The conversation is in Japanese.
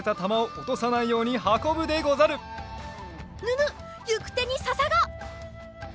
むむっゆくてにささが！